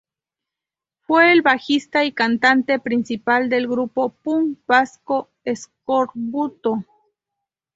Fue el bajista y cantante principal del grupo punk vasco Eskorbuto.